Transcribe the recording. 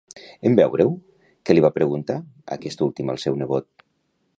En veure-ho, què li va preguntar aquest últim al seu nebot?